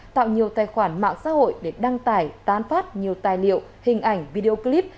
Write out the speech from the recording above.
tạo nhiều tài khoản mạng xã hội để đăng tải tán phát nhiều tài liệu hình ảnh video clip